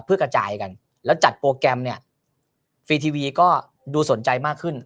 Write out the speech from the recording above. เพื่อกระจายกันแล้วจัดโปรแกรมเนี่ยฟรีทีวีก็ดูสนใจมากขึ้น